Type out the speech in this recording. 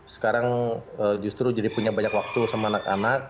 sekarang justru jadi punya banyak waktu sama anak anak